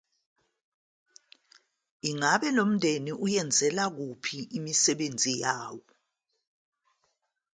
Ingabe lomndeni uyenzela kuphi imisebenzi yawo?